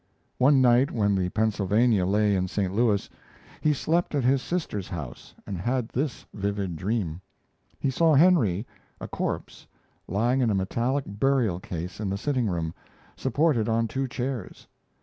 One night, when the Pennsylvania lay in St. Louis, he slept at his sister's house and had this vivid dream: He saw Henry, a corpse, lying in a metallic burial case in the sitting room, supported on two chairs.